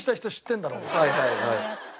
はいはいはい。